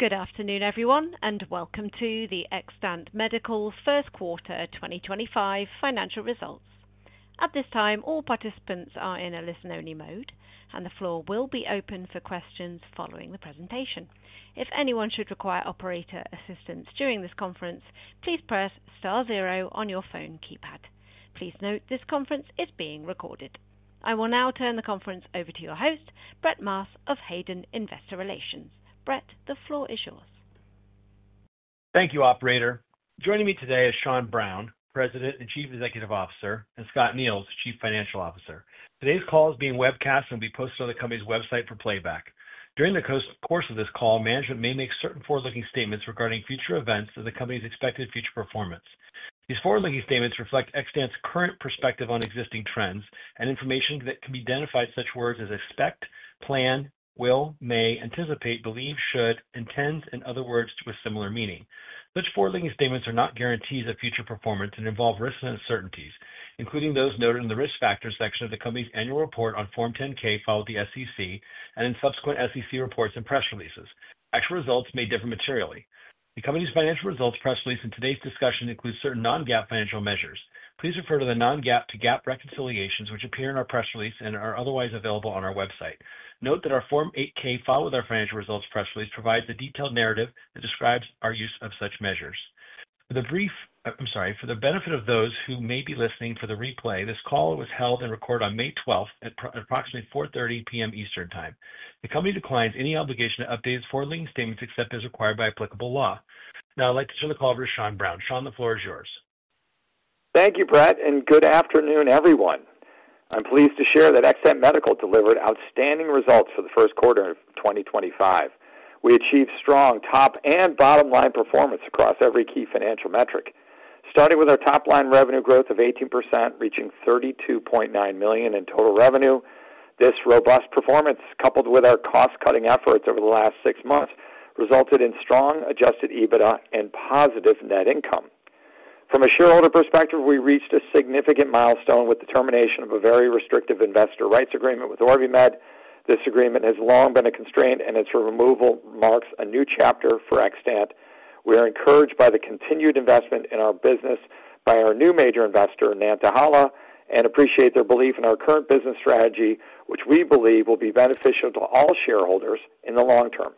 Good afternoon, everyone, and welcome to the Xtant Medical's first quarter 2025 financial results. At this time, all participants are in a listen-only mode, and the floor will be open for questions following the presentation. If anyone should require operator assistance during this conference, please press star zero on your phone keypad. Please note this conference is being recorded. I will now turn the conference over to your host, Brett Maas of Hayden IR. Brett, the floor is yours. Thank you, Operator. Joining me today are Sean Browne, President and Chief Executive Officer, and Scott Neils, Chief Financial Officer. Today's call is being webcast and will be posted on the company's website for playback. During the course of this call, management may make certain forward-looking statements regarding future events and the company's expected future performance. These forward-looking statements reflect Xtant's current perspective on existing trends and information that can be identified in such words as expect, plan, will, may, anticipate, believe, should, intends, and other words with similar meaning. Such forward-looking statements are not guarantees of future performance and involve risks and uncertainties, including those noted in the risk factors section of the company's annual report on Form 10-K, filed with the SEC, and in subsequent SEC reports and press releases. Actual results may differ materially. The company's financial results press release and today's discussion include certain non-GAAP financial measures. Please refer to the non-GAAP to GAAP reconciliations, which appear in our press release and are otherwise available on our website. Note that our Form 8-K, followed by our financial results press release, provides a detailed narrative that describes our use of such measures. For the benefit of those who may be listening for the replay, this call was held and recorded on May 12th at approximately 4:30 P.M. Eastern Time. The company declines any obligation to update its forward-looking statements except as required by applicable law. Now, I'd like to turn the call over to Sean Browne. Sean, the floor is yours. Thank you, Brett, and good afternoon, everyone. I'm pleased to share that Xtant Medical delivered outstanding results for the first quarter of 2025. We achieved strong top and bottom-line performance across every key financial metric, starting with our top-line revenue growth of 18%, reaching $32.9 million in total revenue. This robust performance, coupled with our cost-cutting efforts over the last six months, resulted in strong adjusted EBITDA and positive net income. From a shareholder perspective, we reached a significant milestone with the termination of a very restrictive investor rights agreement with OrbiMed. This agreement has long been a constraint, and its removal marks a new chapter for Xtant. We are encouraged by the continued investment in our business by our new major investor, Nantahala, and appreciate their belief in our current business strategy, which we believe will be beneficial to all shareholders in the long term.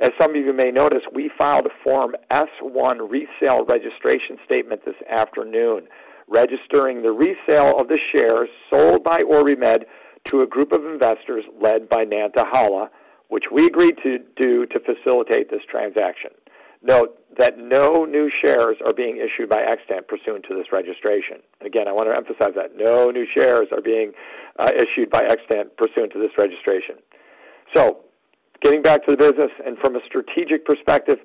As some of you may notice, we filed a Form S-1 resale registration statement this afternoon, registering the resale of the shares sold by OrbiMed to a group of investors led by Nantahala, which we agreed to do to facilitate this transaction. Note that no new shares are being issued by Xtant pursuant to this registration. Again, I want to emphasize that no new shares are being issued by Xtant pursuant to this registration. Getting back to the business, and from a strategic perspective,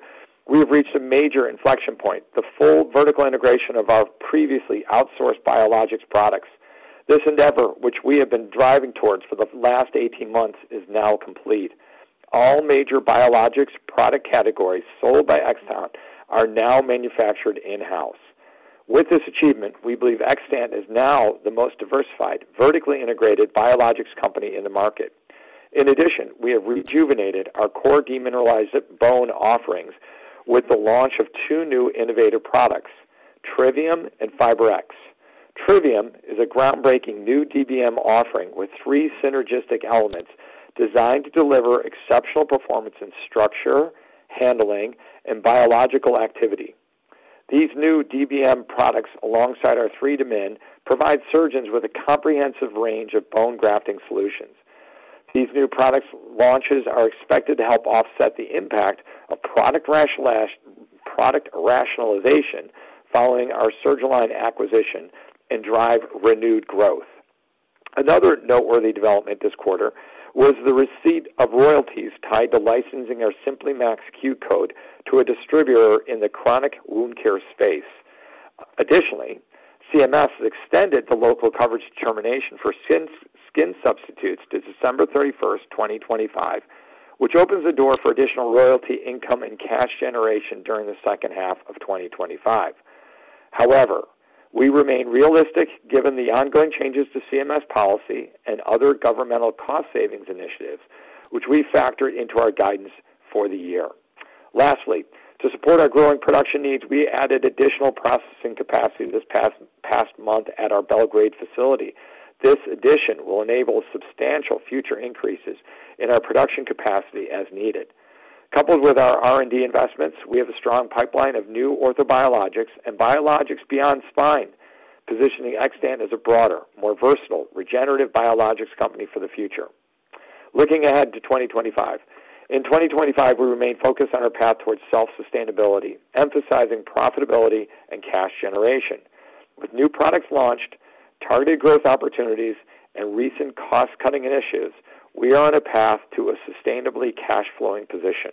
we have reached a major inflection point: the full vertical integration of our previously outsourced biologics products. This endeavor, which we have been driving towards for the last 18 months, is now complete. All major biologics product categories sold by Xtant are now manufactured in-house. With this achievement, we believe Xtant is now the most diversified vertically integrated biologics company in the market. In addition, we have rejuvenated our core demineralized bone offerings with the launch of two new innovative products: Trivium and FiberX. Trivium is a groundbreaking new DBM offering with three synergistic elements designed to deliver exceptional performance in structure, handling, and biological activity. These new DBM products, alongside our 3Demin, provide surgeons with a comprehensive range of bone grafting solutions. These new products' launches are expected to help offset the impact of product rationalization following our Surgalign acquisition and drive renewed growth. Another noteworthy development this quarter was the receipt of royalties tied to licensing our SimplyMax Q code to a distributor in the chronic wound care space. Additionally, CMS extended the local coverage termination for skin substitutes to December 31, 2025, which opens the door for additional royalty income and cash generation during the second half of 2025. However, we remain realistic given the ongoing changes to CMS policy and other governmental cost savings initiatives, which we factored into our guidance for the year. Lastly, to support our growing production needs, we added additional processing capacity this past month at our Belgrade facility. This addition will enable substantial future increases in our production capacity as needed. Coupled with our R&D investments, we have a strong pipeline of new orthobiologics and biologics beyond spine, positioning Xtant as a broader, more versatile, regenerative biologics company for the future. Looking ahead to 2025, we remain focused on our path towards self-sustainability, emphasizing profitability and cash generation. With new products launched, targeted growth opportunities, and recent cost-cutting initiatives, we are on a path to a sustainably cash-flowing position.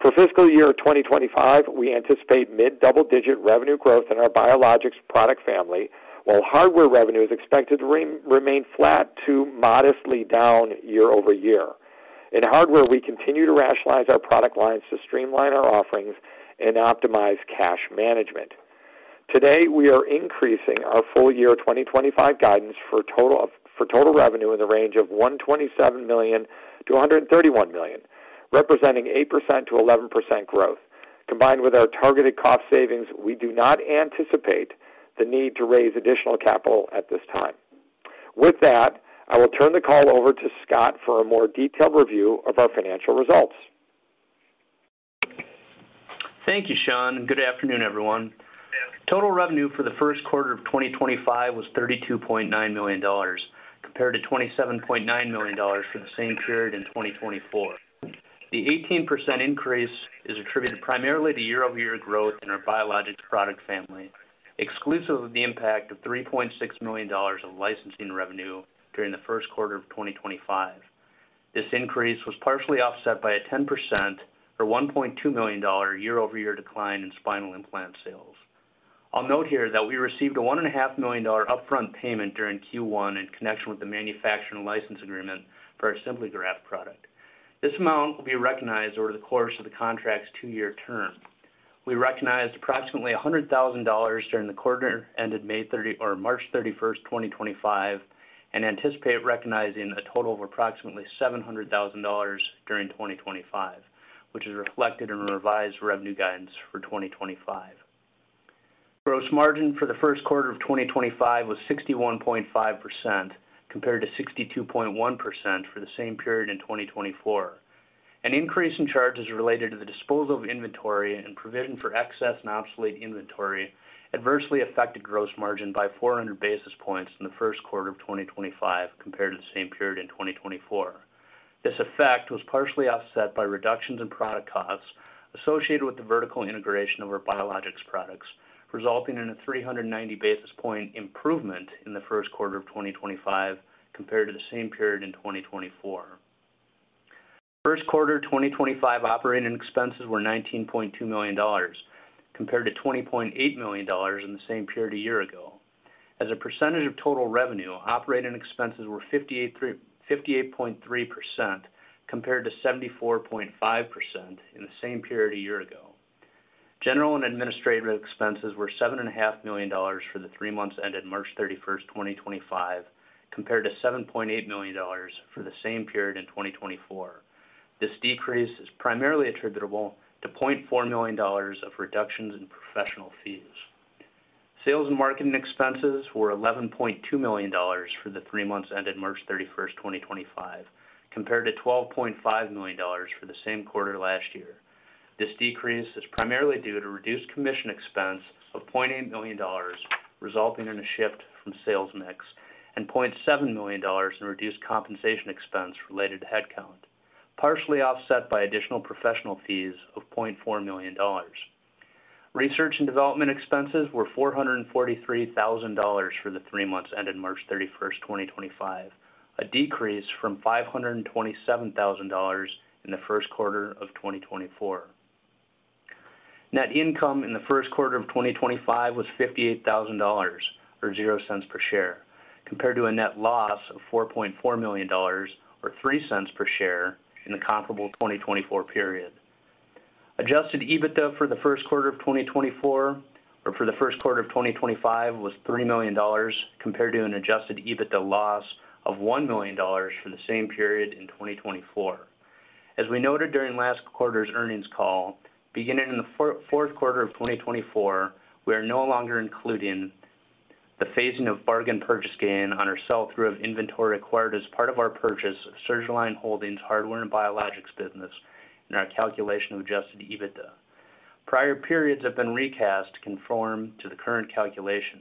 For fiscal year 2025, we anticipate mid-double-digit revenue growth in our biologics product family, while hardware revenue is expected to remain flat to modestly down year-over-year. In hardware, we continue to rationalize our product lines to streamline our offerings and optimize cash management. Today, we are increasing our full year 2025 guidance for total revenue in the range of $127 million-$131 million, representing 8%-11% growth. Combined with our targeted cost savings, we do not anticipate the need to raise additional capital at this time. With that, I will turn the call over to Scott for a more detailed review of our financial results. Thank you, Sean. Good afternoon, everyone. Total revenue for the first quarter of 2025 was $32.9 million, compared to $27.9 million for the same period in 2024. The 18% increase is attributed primarily to year-over-year growth in our biologics product family, exclusive of the impact of $3.6 million of licensing revenue during the first quarter of 2025. This increase was partially offset by a 10% or $1.2 million year-over-year decline in spinal implant sales. I'll note here that we received a $1.5 million upfront payment during Q1 in connection with the manufacturing license agreement for our SimplyGraft product. This amount will be recognized over the course of the contract's two-year term. We recognized approximately $100,000 during the quarter ended March 31, 2025, and anticipate recognizing a total of approximately $700,000 during 2025, which is reflected in revised revenue guidance for 2025. Gross margin for the first quarter of 2025 was 61.5%, compared to 62.1% for the same period in 2024. An increase in charges related to the disposal of inventory and provision for excess and obsolete inventory adversely affected gross margin by 400 basis points in the first quarter of 2025, compared to the same period in 2024. This effect was partially offset by reductions in product costs associated with the vertical integration of our biologics products, resulting in a 390 basis point improvement in the first quarter of 2025, compared to the same period in 2024. First quarter 2025 operating expenses were $19.2 million, compared to $20.8 million in the same period a year ago. As a percentage of total revenue, operating expenses were 58.3%, compared to 74.5% in the same period a year ago. General and administrative expenses were $7.5 million for the three months ended March 31, 2025, compared to $7.8 million for the same period in 2024. This decrease is primarily attributable to $0.4 million of reductions in professional fees. Sales and marketing expenses were $11.2 million for the three months ended March 31, 2025, compared to $12.5 million for the same quarter last year. This decrease is primarily due to reduced commission expense of $0.8 million, resulting in a shift from sales mix, and $0.7 million in reduced compensation expense related to headcount, partially offset by additional professional fees of $0.4 million. Research and development expenses were $443,000 for the three months ended March 31, 2025, a decrease from $527,000 in the first quarter of 2024. Net income in the first quarter of 2025 was $58,000 or $0.00 per share, compared to a net loss of $4.4 million or $0.03 per share in the comparable 2024 period. Adjusted EBITDA for the first quarter of 2024 for the first quarter of 2025 was $3 million, compared to an adjusted EBITDA loss of $1 million for the same period in 2024. As we noted during last quarter's earnings call, beginning in the fourth quarter of 2024, we are no longer including the phasing of bargain purchase gain on our sell-through of inventory acquired as part of our purchase of Surgalign Holdings hardware and biologics business in our calculation of adjusted EBITDA. Prior periods have been recast to conform to the current calculation.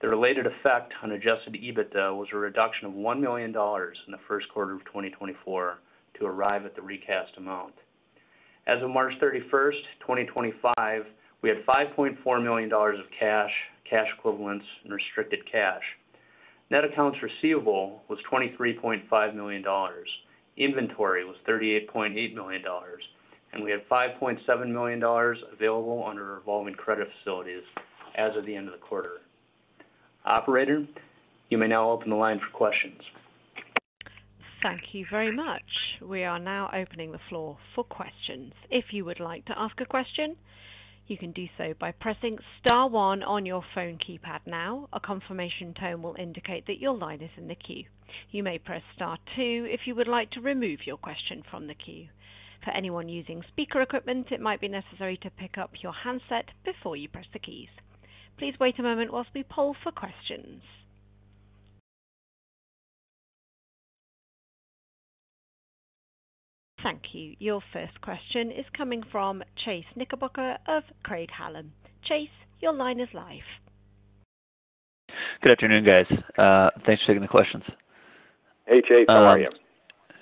The related effect on adjusted EBITDA was a reduction of $1 million in the first quarter of 2024 to arrive at the recast amount. As of March 31, 2025, we had $5.4 million of cash, cash equivalents, and restricted cash. Net accounts receivable was $23.5 million. Inventory was $38.8 million, and we had $5.7 million available under revolving credit facilities as of the end of the quarter. Operator, you may now open the line for questions. Thank you very much. We are now opening the floor for questions. If you would like to ask a question, you can do so by pressing Star 1 on your phone keypad now. A confirmation tone will indicate that your line is in the queue. You may press Star 2 if you would like to remove your question from the queue. For anyone using speaker equipment, it might be necessary to pick up your handset before you press the keys. Please wait a moment whilst we poll for questions. Thank you. Your first question is coming from Chase Nickebucker of Craig-Hallum. Chase, your line is live. Good afternoon, guys. Thanks for taking the questions. Hey, Chase. How are you?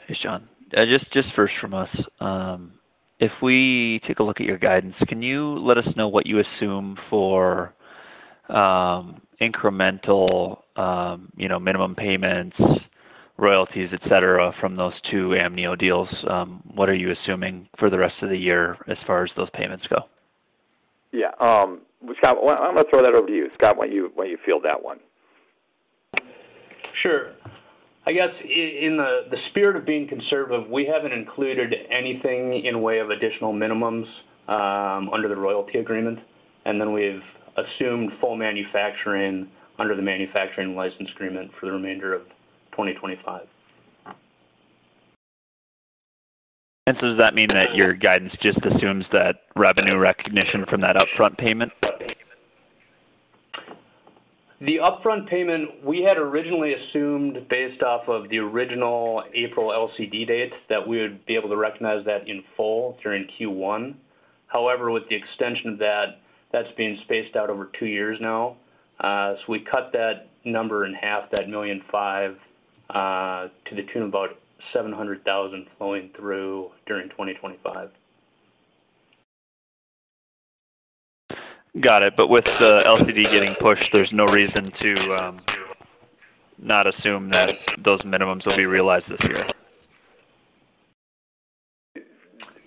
Hey, Sean. Just first from us, if we take a look at your guidance, can you let us know what you assume for incremental minimum payments, royalties, etc., from those two Amneo deals? What are you assuming for the rest of the year as far as those payments go? Yeah. Scott, I'm going to throw that over to you. Scott, why don't you field that one? Sure. I guess in the spirit of being conservative, we haven't included anything in the way of additional minimums under the royalty agreement, and then we've assumed full manufacturing under the manufacturing license agreement for the remainder of 2025. Does that mean that your guidance just assumes that revenue recognition from that upfront payment? The upfront payment, we had originally assumed based off of the original April LCD date that we would be able to recognize that in full during Q1. However, with the extension of that, that's being spaced out over two years now. We cut that number in half, that $1.5 million, to the tune of about $700,000 flowing through during 2025. Got it. With the LCD getting pushed, there's no reason to not assume that those minimums will be realized this year.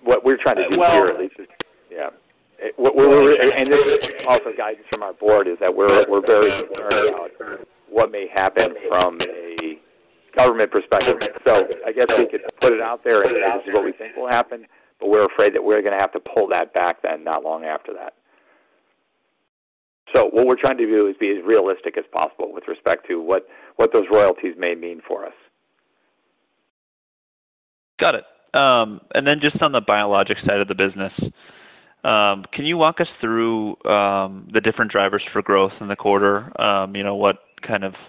What we're trying to do here, at least, is yeah. This is also guidance from our board, is that we're very concerned about what may happen from a government perspective. I guess we could put it out there as what we think will happen, but we're afraid that we're going to have to pull that back then not long after that. What we're trying to do is be as realistic as possible with respect to what those royalties may mean for us. Got it. And then just on the biologics side of the business, can you walk us through the different drivers for growth in the quarter?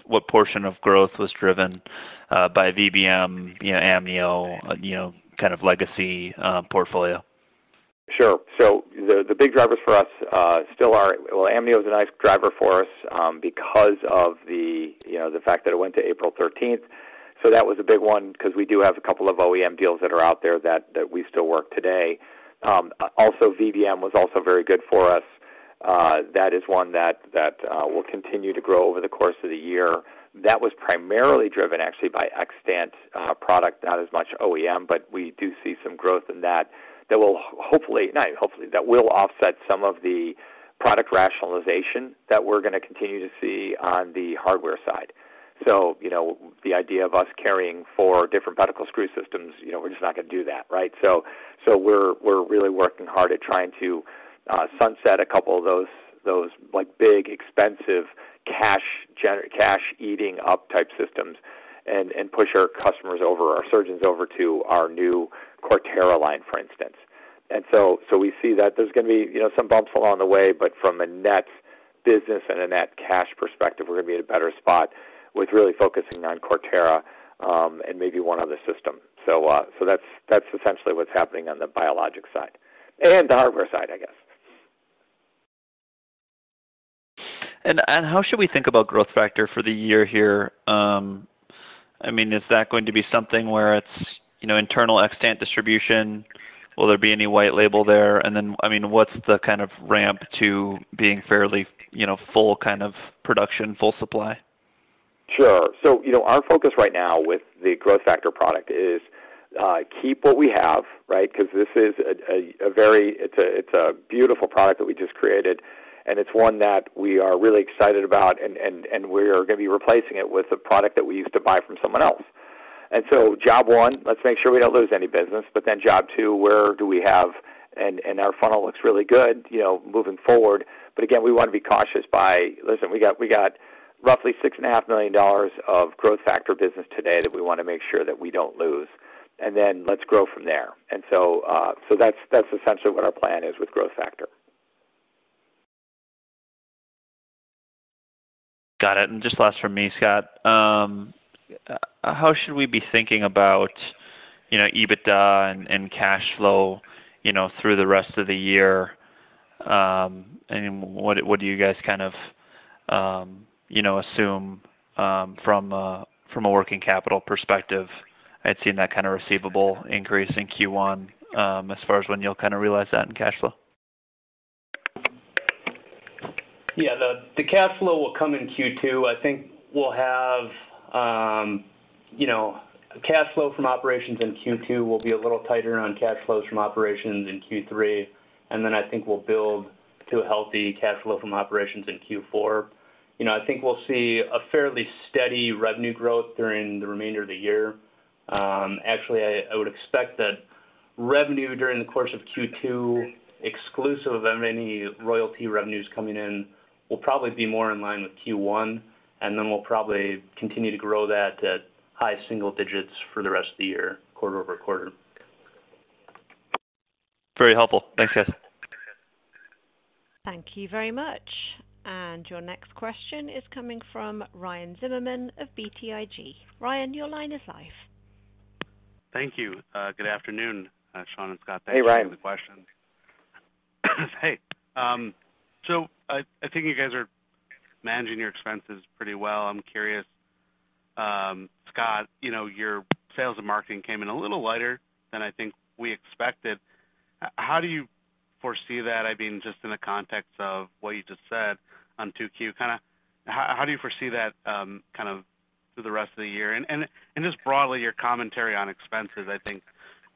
What portion of growth was driven by VBM, Amneo, kind of legacy portfolio? Sure. The big drivers for us still are, well, Amneo is a nice driver for us because of the fact that it went to April 13th. That was a big one because we do have a couple of OEM deals that are out there that we still work today. Also, VBM was also very good for us. That is one that will continue to grow over the course of the year. That was primarily driven, actually, by Xtant product, not as much OEM, but we do see some growth in that that will, hopefully—not hopefully, that will offset some of the product rationalization that we're going to continue to see on the hardware side. The idea of us carrying four different pedicle screw systems, we're just not going to do that, right? We're really working hard at trying to sunset a couple of those big, expensive, cash-eating-up type systems and push our customers over, our surgeons over, to our new Corterra line, for instance. We see that there's going to be some bumps along the way, but from a net business and a net cash perspective, we're going to be in a better spot with really focusing on Corterra and maybe one other system. That's essentially what's happening on the biologics side and the hardware side, I guess. How should we think about growth factor for the year here? I mean, is that going to be something where it's internal Xtant distribution? Will there be any white label there? I mean, what's the kind of ramp to being fairly full kind of production, full supply? Sure. Our focus right now with the growth factor product is keep what we have, right? Because this is a very, it's a beautiful product that we just created, and it's one that we are really excited about, and we are going to be replacing it with a product that we used to buy from someone else. Job one, let's make sure we don't lose any business. Job two, where do we have? Our funnel looks really good moving forward. We want to be cautious by, "Listen, we got roughly $6.5 million of growth factor business today that we want to make sure that we don't lose. Let's grow from there." That's essentially what our plan is with growth factor. Got it. Just last from me, Scott, how should we be thinking about EBITDA and cash flow through the rest of the year? What do you guys kind of assume from a working capital perspective? I'd seen that kind of receivable increase in Q1 as far as when you'll kind of realize that in cash flow. Yeah. The cash flow will come in Q2. I think we'll have cash flow from operations in Q2 will be a little tighter on cash flows from operations in Q3. I think we'll build to a healthy cash flow from operations in Q4. I think we'll see a fairly steady revenue growth during the remainder of the year. Actually, I would expect that revenue during the course of Q2, exclusive of any royalty revenues coming in, will probably be more in line with Q1, and then we'll probably continue to grow that at high single digits for the rest of the year, quarter-over-quarter. Very helpful. Thanks, guys. Thank you very much. Your next question is coming from Ryan Zimmerman of BTIG. Ryan, your line is live. Thank you. Good afternoon, Sean and Scott. Hey, Ryan. Thanks for the questions. Hey. I think you guys are managing your expenses pretty well. I'm curious, Scott, your sales and marketing came in a little lighter than I think we expected. How do you foresee that? I mean, just in the context of what you just said on 2Q, kind of how do you foresee that kind of through the rest of the year? Just broadly, your commentary on expenses, I think,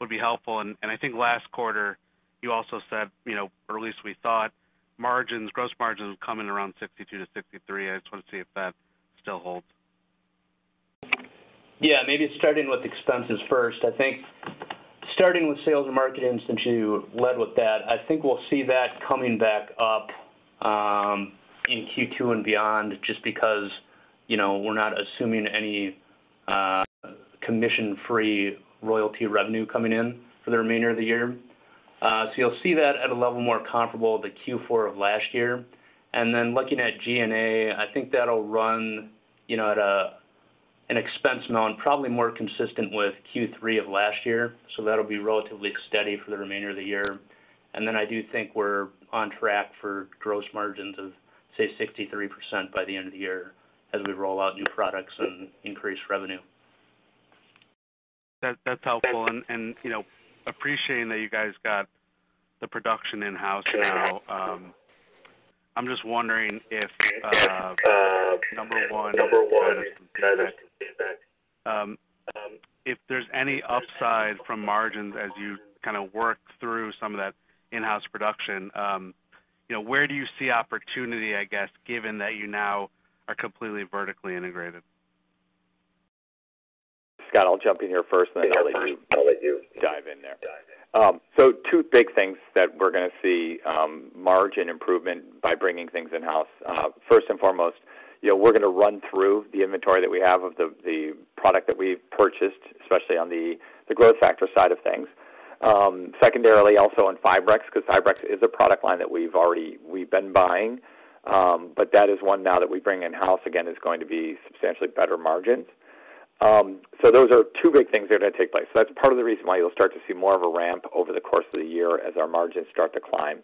would be helpful. I think last quarter, you also said, or at least we thought, margins, gross margins would come in around 62%-63%. I just want to see if that still holds. Yeah. Maybe starting with expenses first. I think starting with sales and marketing, since you led with that, I think we'll see that coming back up in Q2 and beyond just because we're not assuming any commission-free royalty revenue coming in for the remainder of the year. You'll see that at a level more comparable to Q4 of last year. Looking at G&A, I think that'll run at an expense amount probably more consistent with Q3 of last year. That'll be relatively steady for the remainder of the year. I do think we're on track for gross margins of, say, 63% by the end of the year as we roll out new products and increase revenue. That's helpful. Appreciating that you guys got the production in-house now, I'm just wondering if, number one, if there's any upside from margins as you kind of work through some of that in-house production. Where do you see opportunity, I guess, given that you now are completely vertically integrated? Scott, I'll jump in here first, and then I'll let you dive in there. Two big things that we're going to see: margin improvement by bringing things in-house. First and foremost, we're going to run through the inventory that we have of the product that we purchased, especially on the growth factor side of things. Secondarily, also on FiberX, because FiberX is a product line that we've been buying, but that is one now that we bring in-house, again, is going to be substantially better margins. Those are two big things that are going to take place. That's part of the reason why you'll start to see more of a ramp over the course of the year as our margins start to climb.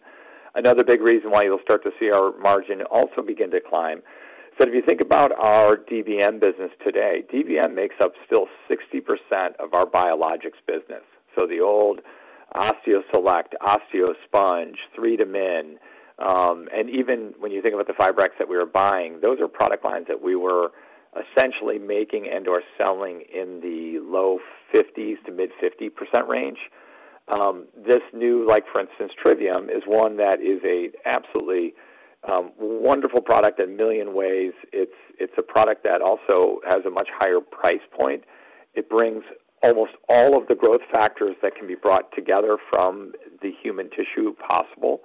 Another big reason why you'll start to see our margin also begin to climb is that if you think about our DBM business today, DBM makes up still 60% of our biologics business. The old OsseoSelect, OsseoSponge, 3Demin, and even when you think about the FiberX that we were buying, those are product lines that we were essentially making and/or selling in the low 50%-mid 50% range. This new, for instance, Trivium is one that is an absolutely wonderful product in a million ways. It's a product that also has a much higher price point. It brings almost all of the growth factors that can be brought together from the human tissue possible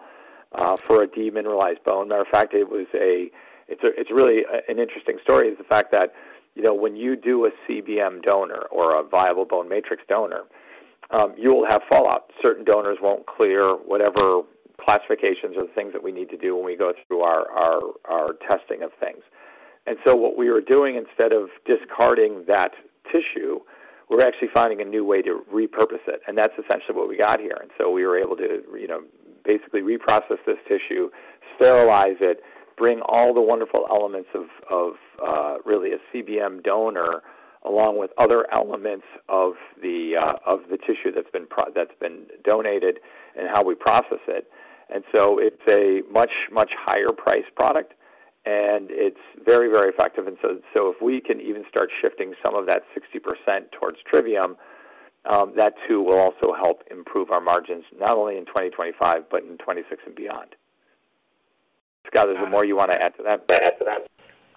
for a demineralized bone. Matter of fact, it's really an interesting story, is the fact that when you do a VBM donor or a viable bone matrix donor, you will have fallout. Certain donors won't clear whatever classifications or the things that we need to do when we go through our testing of things. What we were doing, instead of discarding that tissue, we were actually finding a new way to repurpose it. That's essentially what we got here. We were able to basically reprocess this tissue, sterilize it, bring all the wonderful elements of really a VBM donor along with other elements of the tissue that's been donated and how we process it. It's a much, much higher priced product, and it's very, very effective. If we can even start shifting some of that 60% towards Trivium, that too will also help improve our margins, not only in 2025, but in 2026 and beyond. Scott, is there more you want to add to that?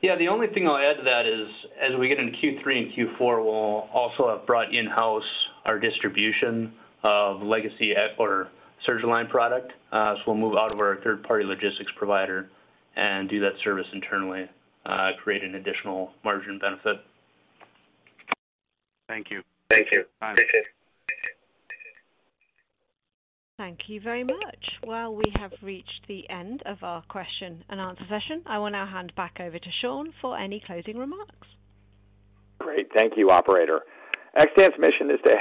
Yeah. The only thing I'll add to that is, as we get into Q3 and Q4, we'll also have brought in-house our distribution of legacy or Surge Line product. So we'll move out of our third-party logistics provider and do that service internally, create an additional margin benefit. Thank you. Thank you. Appreciate it. Thank you very much. We have reached the end of our question-and-answer session. I will now hand back over to Sean for any closing remarks. Great. Thank you, Operator. Xtant's mission is to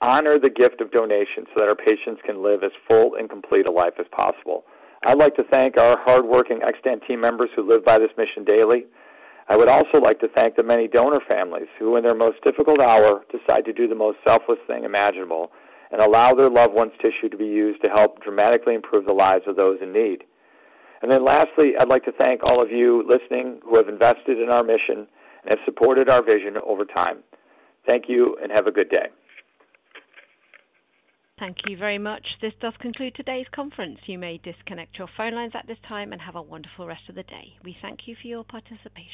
honor the gift of donation so that our patients can live as full and complete a life as possible. I'd like to thank our hardworking Xtant team members who live by this mission daily. I would also like to thank the many donor families who, in their most difficult hour, decide to do the most selfless thing imaginable and allow their loved one's tissue to be used to help dramatically improve the lives of those in need. Lastly, I'd like to thank all of you listening who have invested in our mission and have supported our vision over time. Thank you and have a good day. Thank you very much. This does conclude today's conference. You may disconnect your phone lines at this time and have a wonderful rest of the day. We thank you for your participation.